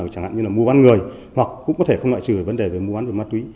chẳng hạn như mua bán người hoặc cũng có thể không loại trừ vấn đề về mua bán mát túy